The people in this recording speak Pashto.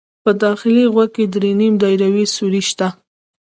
په داخلي غوږ کې درې نیم دایروي سوري شته.